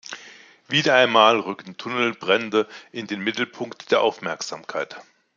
Wieder einmal rücken Tunnelbrände in den Mittelpunkt der Aufmerksamkeit.